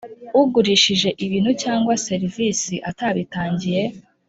Ugurishije ibintu cyangwa serivisi atabitangiye